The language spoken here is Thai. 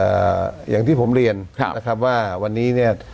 เอ่ออย่างที่ผมเรียนนะครับว่าวันนี้เนี่ย